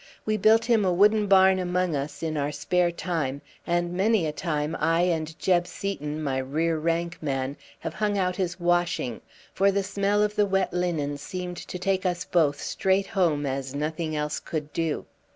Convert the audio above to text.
We built him a wooden barn among us in our spare time, and many a time I and Jeb Seaton, my rear rank man, have hung out his washing, for the smell of the wet linen seemed to take us both straight home as nothing else could do.